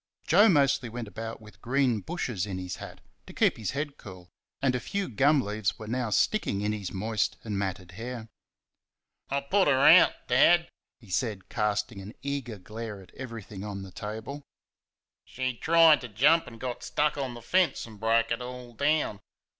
Joe mostly went about with green bushes in his hat, to keep his head cool, and a few gum leaves were now sticking in his moist and matted hair. "I put her out, Dad!" he said, casting an eager glare at everything on the table. "She tried to jump and got stuck on the fence, and broke it all down.